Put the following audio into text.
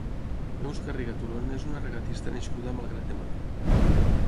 Neus Garriga Turón és una regatista nascuda a Malgrat de Mar.